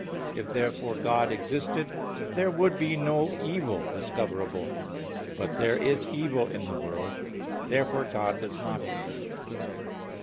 If, therefore, God existed, there would be no evil discoverable; but there is evil in the world. Therefore God does not exist.